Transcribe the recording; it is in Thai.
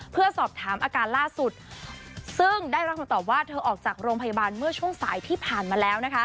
เพื่อสอบถามอาการล่าสุดซึ่งได้รับคำตอบว่าเธอออกจากโรงพยาบาลเมื่อช่วงสายที่ผ่านมาแล้ว